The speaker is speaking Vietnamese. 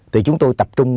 từ chúng tôi tập trung